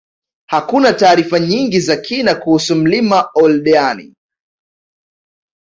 Hakuna taarifa nyingi za kina kuhusu mlima Oldeani